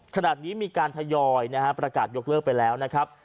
ขณะนี้มีการทยอยนะฮะประกาศยกเลิกไปแล้วนะครับ